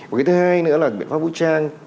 cái thứ hai nữa là biện pháp vũ trang